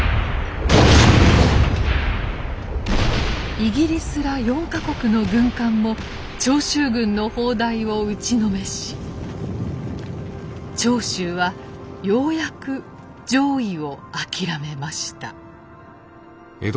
イギリスら４か国の軍艦も長州軍の砲台を打ちのめし長州はようやく攘夷を諦めました。